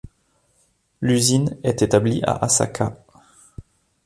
L'usine est établie à Asaka.